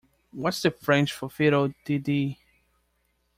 What’s the French for fiddle-de-dee?